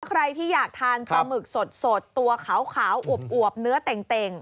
ใครที่อยากทานปลาหมึกสดตัวขาวอวบเนื้อเต่ง